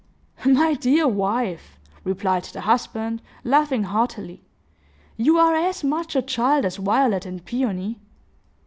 "My dear wife," replied the husband, laughing heartily, "you are as much a child as Violet and Peony."